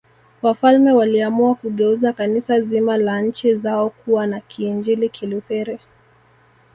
Wafalme waliamua kugeuza Kanisa zima la nchi zao kuwa la Kiinjili Kilutheri